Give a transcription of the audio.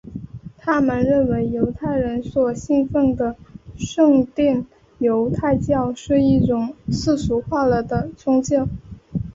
他们认为犹太人所信奉的圣殿犹太教是一种世俗化了的宗教。